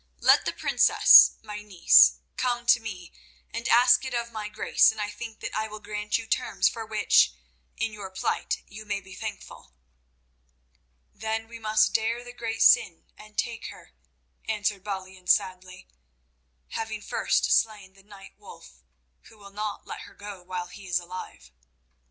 "Let the princess, my niece, come to me and ask it of my grace, and I think that I will grant you terms for which, in your plight, you may be thankful." "Then we must dare the great sin and take her," answered Balian sadly, "having first slain the knight Wulf, who will not let her go while he is alive."